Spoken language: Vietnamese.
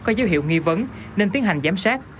có dấu hiệu nghi vấn nên tiến hành giám sát